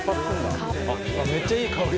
めっちゃいい香り。